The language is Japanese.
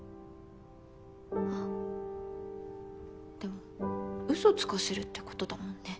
あっでもうそつかせるってことだもんね